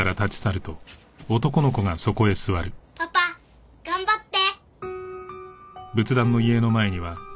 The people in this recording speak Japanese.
パパ頑張って！